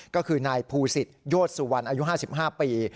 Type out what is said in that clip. ก็คือนายภูศิษฐโยชสุวรรณอายุ๕๕ปี